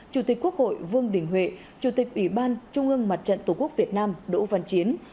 chủ tịch quốc hội vương đình huệ chủ tịch ủy ban trung ương mặt trận tổ quốc việt nam đỗ văn chiến